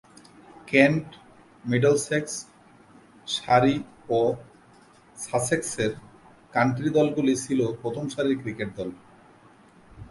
Kent, Middlesex, Surrey ও সাসেক্সের county দলগুলি ছিল প্রথম সারির ক্রিকেট দল।